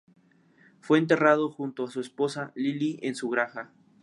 Fue enterrado junto a su segunda esposa Lily en su granja.